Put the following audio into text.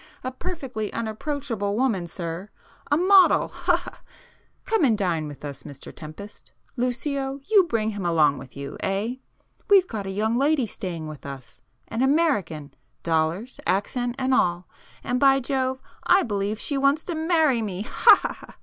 A perfectly unapproachable woman sir!—a model,—ha ha! Come and dine with us, Mr Tempest,—Lucio, [p 91] you bring him along with you, eh? We've got a young lady staying with us,—an American, dollars, accent and all,—and by Jove I believe she wants to marry me ha ha ha!